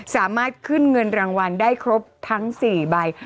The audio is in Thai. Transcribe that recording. สามารถขึ้นเงินรางวัลได้ครบทั้ง๔ใบ